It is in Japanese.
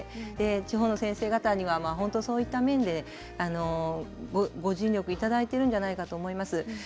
地方の先生方にはそういった面でご尽力いただいていると思います。